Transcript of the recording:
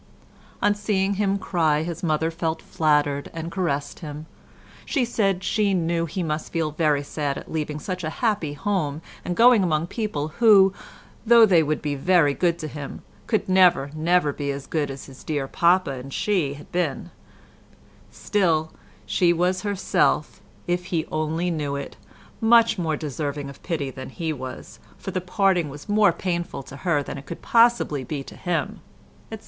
On seeing him cry, his mother felt flattered and caressed him. She said she knew he must feel very sad at leaving such a happy home, and going among people who, though they would be very good to him, could never, never be as good as his dear papa and she had been; still, she was herself, if he only knew it, much more deserving of pity than he was, for the parting was more painful to her than it could possibly be to him, etc.